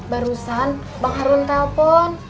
barusan bang harun telpon